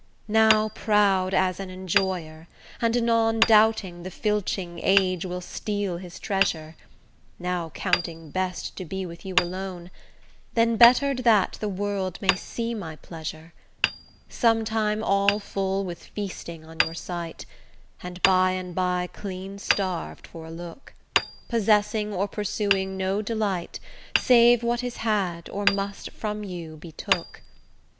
Now proud as an enjoyer, and anon Doubting the filching age will steal his treasure; Now counting best to be with you alone, Then better'd that the world may see my pleasure: Sometime all full with feasting on your sight, And by and by clean starved for a look; Possessing or pursuing no delight, Save what is had, or must from you be took.